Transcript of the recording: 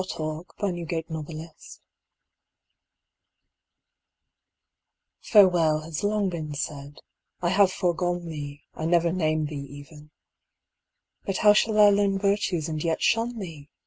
82 Early Poems AFTER A PARTING FAREWELL has long been said ; I have forgone thee; I never name thee even. But how shall I learn virtues and yet shun thee